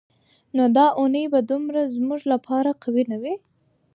نو دا اونۍ به دومره زموږ لپاره قوي نه وي.